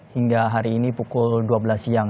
hingga hari ini pukul dua belas siang